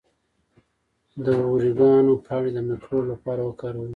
د اوریګانو پاڼې د مکروب لپاره وکاروئ